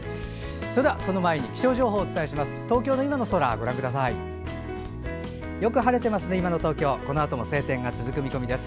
それでは、その前に気象情報をお伝えします。